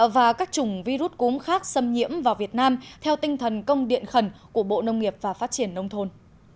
và các chủng virus cúm khác xâm nhiễm vào việt nam theo tinh thần công điện khẩn của bộ nông nghiệp và phát triển nông thôn